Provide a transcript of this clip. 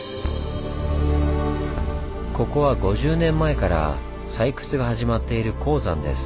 ここは５０年前から採掘が始まっている鉱山です。